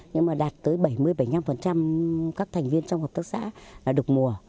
nhưng mà đạt tới bảy mươi bảy mươi năm các thành viên trong hợp tác xã là đục mùa